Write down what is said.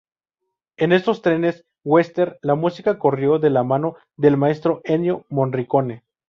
En estos tres westerns, la música corrió de la mano del maestro Ennio Morricone.